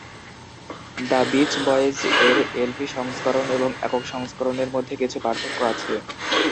The Beach Boys এর LP সংস্করণ এবং একক সংস্করণ এর মধ্যে কিছু পার্থক্য আছে।